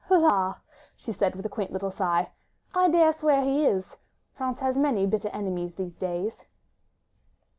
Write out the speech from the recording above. "La! ..." she said, with a quaint little sigh, "I dare swear he is. ... France has many bitter enemies these days."